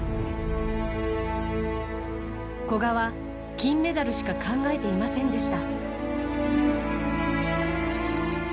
古賀は金メダルしか考えてい大坂さんと話した。